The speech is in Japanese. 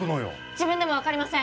自分でも分かりません！